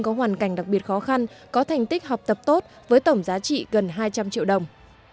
có hoàn cảnh đặc biệt khó khăn có thành tích học tập tốt với tổng giá trị gần hai trăm linh triệu đồng